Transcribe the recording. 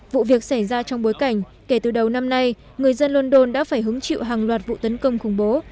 vụ việc xảy ra trong bối cảnh kể từ đầu năm nay người dân london đã phải hứng chịu hàng loạt vụ tấn công khủng bố